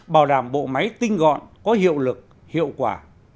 bảo đảm bộ máy tinh gọn có hiệu lực hiệu quả